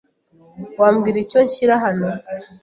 Wambwira icyo nshyira hano?